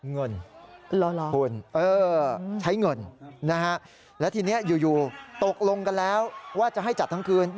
เงินคุณใช้เงินนะฮะแล้วทีนี้อยู่ตกลงกันแล้วว่าจะให้จัดทั้งคืน